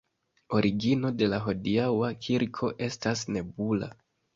Origino de la hodiaŭa kirko estas nebula.